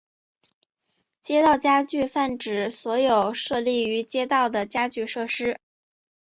街道家具泛指所有设立于街道的家具设施。